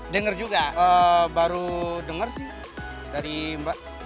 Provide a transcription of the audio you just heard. dengar juga baru dengar sih dari mbak